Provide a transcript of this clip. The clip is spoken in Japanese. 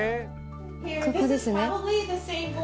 ここですね。